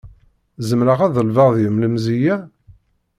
Zemreɣ ad ḍelbeɣ deg-m lemzeyya?